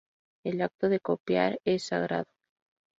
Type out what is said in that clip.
El acto de copiar es sagrado"